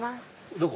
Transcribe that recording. どこ？